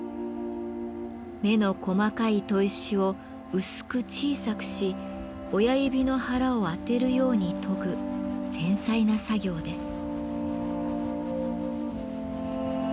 目の細かい砥石を薄く小さくし親指の腹を当てるように研ぐ繊細な作業です。